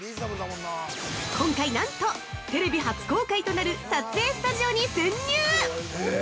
今回なんと、テレビ初公開となる撮影スタジオに潜入。